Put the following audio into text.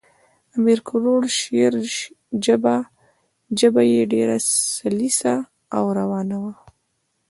د امیر کروړ شعر ژبه ئي ډېره سلیسه او روانه ده.